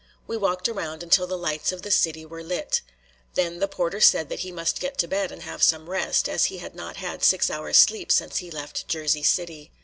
We walked around until the lights of the city were lit. Then the porter said that he must get to bed and have some rest, as he had not had six hours' sleep since he left Jersey City.